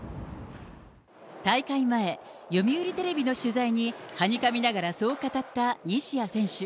大会前、読売テレビの取材にはにかみながらそう語った西矢選手。